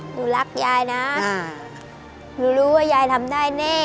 หนูรักยายนะหนูรู้ว่ายายทำได้แน่